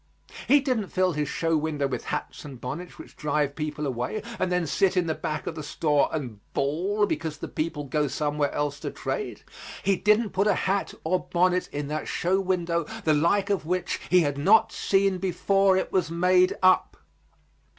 He didn't fill his show window with hats and bonnets which drive people away and then sit in the back of the store and bawl because the people go somewhere else to trade. He didn't put a hat or bonnet in that show window the like of which he had not seen before it was made up.